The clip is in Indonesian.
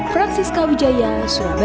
francisca widjaya surabaya